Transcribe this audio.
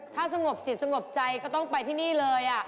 ถ้าสงบจิตสงบใจก็ต้องไปที่นี่เลย